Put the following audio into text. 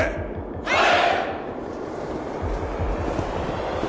はい！